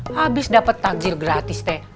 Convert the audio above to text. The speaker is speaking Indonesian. habis dapat takjil gratis teh